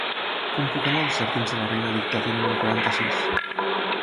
Com puc anar als jardins de la Reina Victòria número quaranta-sis?